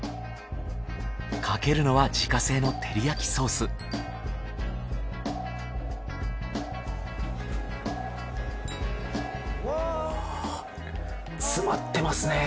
かけるのは自家製の照り焼きソース詰まってますね。